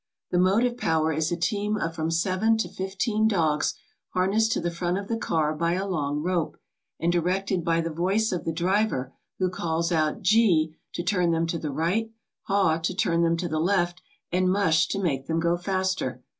The motive power is a team of from seven to fifteen dogs harnessed to the front of the car by a long rope, and directed by the voice of the driver, who calls out "Gee" to turn them to the right, "Haw" to turn them to the left, and "Mush" to make them go faster.